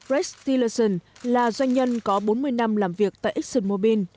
rex tillerson là doanh nhân có bốn mươi năm làm việc tại exxonmobil